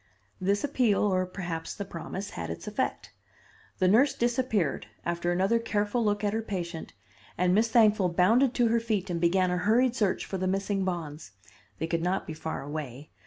This appeal, or perhaps the promise, had its effect. The nurse disappeared, after another careful look at her patient, and Miss Thankful bounded to her feet and began a hurried search for the missing bonds. They could not be far away.